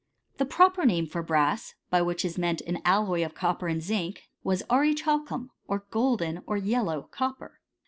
The proper name for brass, by which is meant an alloy of copper and zinc, was aurichalcuniy or golden, or yellow copper.